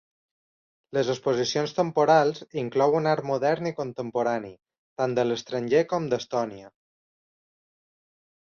Les exposicions temporals inclouen art modern i contemporani tant de l'estranger com d'Estònia.